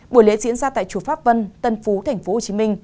buổi lễ diễn ra tại chùa pháp vân tân phú tp hcm